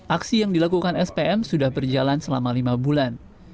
aksi yang dilakukan spm sudah berjalan selama lima bulan